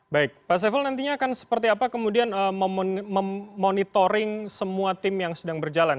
baik pak saiful nantinya akan seperti apa kemudian memonitoring semua tim yang sedang berjalan